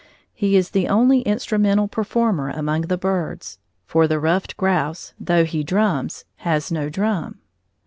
He is the only instrumental performer among the birds; for the ruffed grouse, though he drums, has no drum.